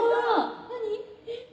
・何？